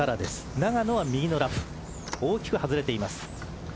永野は右のラフ大きく外れています。